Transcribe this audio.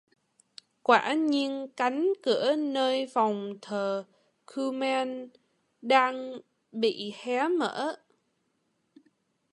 Quả nhiên cánh cửa nơi phòng thờ kuman đang bị hé mở